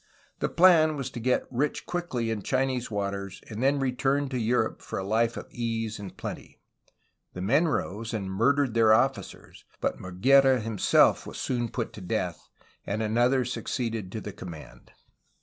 The plan was to get rich quickly in Chinese waters and then return to Europe for a life of ease and plenty. The men rose, and murdered their officers, but Morguera himself was soon put to death, and another suc ceeded to the command.